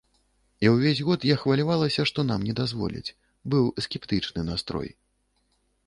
І ўвесь год я хвалявалася, што нам не дазволяць, быў скептычны настрой.